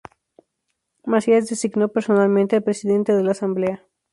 Macías designó personalmente al Presidente de la Asamblea.